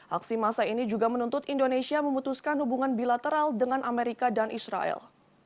aksi masa ini juga menuntut indonesia memutuskan hubungan bilateral dengan amerika dan israel